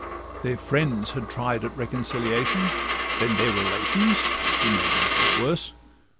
Their friends had tried at reconciliation, Then their relations, who made matters worse.